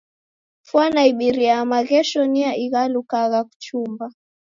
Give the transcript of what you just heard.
Fwana ibirie ya maghesho niyo ighalukagha kuchumba.